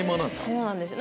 そうなんですよ。